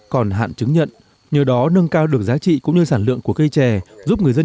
còn hạn chứng nhận nhờ đó nâng cao được giá trị cũng như sản lượng của cây trè giúp người dân